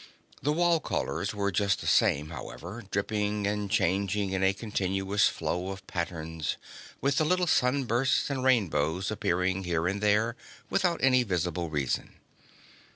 The wall colors were just the same, however, dripping and changing in a continuous flow of patterns, with the little sunbursts and rainbows appearing here and there without any visible reason.